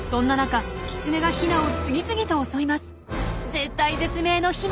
絶体絶命のヒナ。